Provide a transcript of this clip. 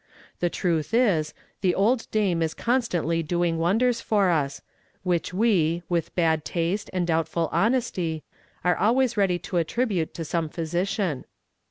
The truth is, the old Dame is constantly doing wondei s for us, which we, with bad taste and doubtful honesty, are always ready to attrilMite to some physician.